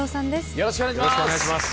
よろしくお願いします。